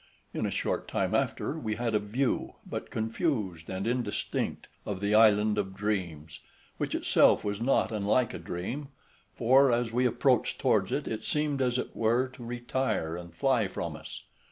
In a short time after we had a view, but confused and indistinct, of the Island of Dreams, which itself was not unlike a dream, for as we approached towards it, it seemed as it were to retire and fly from us.